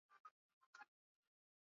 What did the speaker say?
tarehe ishirini na tano huku chini qatar